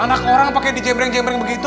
anak orang pake di jembreng jembreng begitu